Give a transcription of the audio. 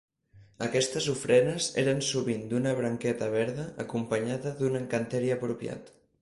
Aquestes ofrenes eren sovint d'una branqueta verda, acompanyada d'un encanteri apropiat.